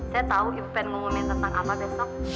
saya tahu ibu pengen ngomongin tentang apa besok